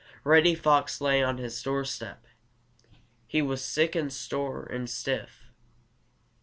Reddy Fox lay on his doorstep. He was sick and sore and stiff.